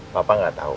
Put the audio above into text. papa gak tau